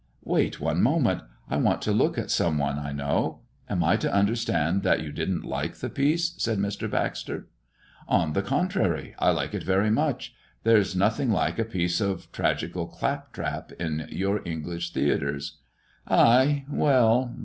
"Wait one moment, I want to look at some one I know. Am I to understand that you didn't like the piece?" said Mr. Baxter. "On the contrary; I like it very much. There's nothing like a piece of tragical clap trap in your English theatres." "Ay! well!